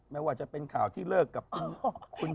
ไม่ว่าจะเป็นข่าวที่เลิกกับคุณพ่อ